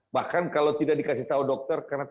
bahkan kalau tidak dikasih tahu dokter